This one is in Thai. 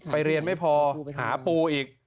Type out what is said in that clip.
เรียนไม่พอหาปูอีก